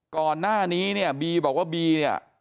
ก่อนหน้านี้เนี่ยบีบอกว่าบีเนี่ย